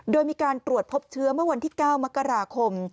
โดยมีการตรวจพบเชื้อเมื่อวันที่๙มกราคม